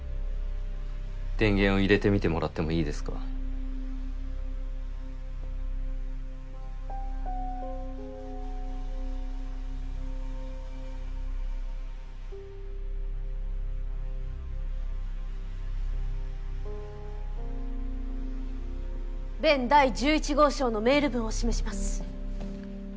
電源を入れてみてもらってもいいですか弁第１１号証のメール文を示します。